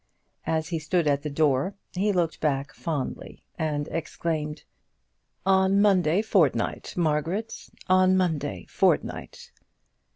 As he stood at the door he looked back fondly and exclaimed "On Monday fortnight, Margaret; on Monday fortnight."